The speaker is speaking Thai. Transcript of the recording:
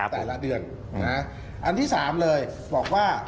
แต่ละเดือนอันที่๓เลยบอกว่า